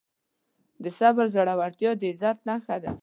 د صبر زړورتیا د عزت نښه ده.